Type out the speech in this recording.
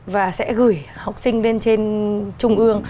và sẽ gửi học sinh lên trên trung ương